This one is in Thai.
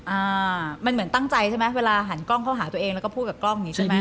อ่ามันเหมือนตั้งใจใช่ไหมเวลาหันกล้องเข้าหาตัวเองแล้วก็พูดกับกล้องอย่างนี้ใช่ไหม